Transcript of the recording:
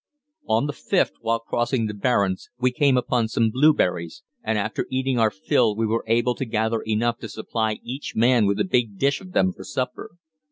On the 5th, while crossing the barrens we came upon some blueberries and after eating our fill we were able to gather enough to supply each man with a big dish of them for supper.